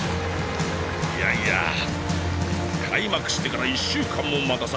いやいや開幕してから１週間も待たされる